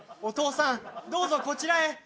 お父さんどうぞこちらへ。